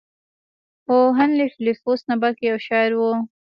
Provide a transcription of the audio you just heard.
خو هنلي فيلسوف نه بلکې يو شاعر و.